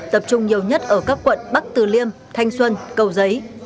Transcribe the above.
tập trung nhiều nhất ở các quận bắc từ liêm thanh xuân cầu giấy